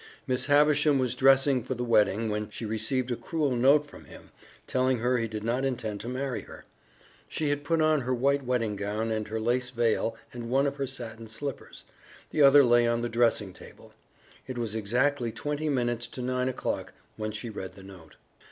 Miss Havisham was dressing for the wedding when she received a cruel note from him telling her he did not intend to marry her. She had put on her white wedding gown and her lace veil and one of her satin slippers the other lay on the dressing table. It was exactly twenty minutes to nine o'clock when she read the note.